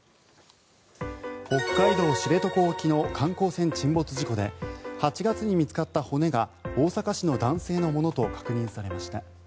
北海道・知床沖の観光船沈没事故で８月に見つかった骨が大阪市の男性のものと確認されました。